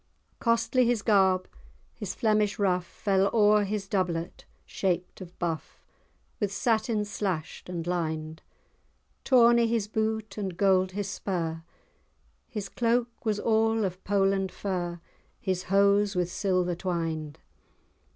Costly his garb; his Flemish ruff Fell o'er his doublet, shaped of buff, With satin slashed and lined; Tawny his boot and gold his spur, His cloak was all of Poland fur, His hose with silver twined.